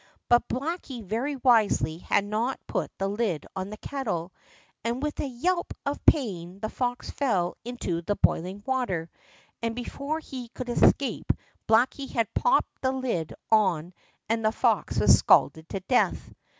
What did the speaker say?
But Blacky very wisely had not put the lid on the kettle, and with a yelp of pain the fox fell into the boiling water, and before he could escape Blacky had popped the lid on and the fox was scalded to death.